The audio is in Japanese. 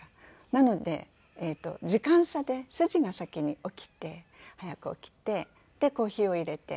なので時間差で主人が先に起きて早く起きてでコーヒーをいれて。